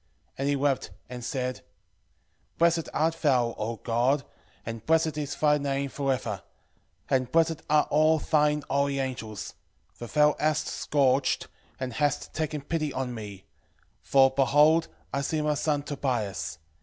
11:14 And he wept, and said, Blessed art thou, O God, and blessed is thy name for ever; and blessed are all thine holy angels: 11:15 For thou hast scourged, and hast taken pity on me: for, behold, I see my son Tobias.